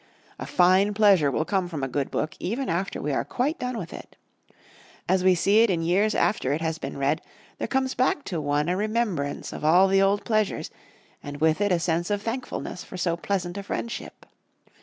A fine pleasure will come from a good book even after we are quite done with it. As we see it in years after it has been read there comes back to one a remembrance of all the old pleasures, and with it a sense of thankfulness for so pleasant a friendship.